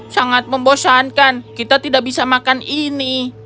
sangat membosankan kita tidak bisa makan ini